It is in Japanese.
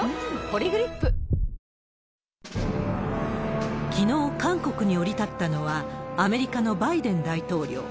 「ポリグリップ」きのう、韓国に降り立ったのはアメリカのバイデン大統領。